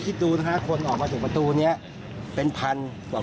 เป็นบทเรียนสำคัญเลยนะครับ